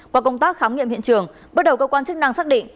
qua công tác khám nghiệm hiện trường bước đầu cơ quan chức năng xác định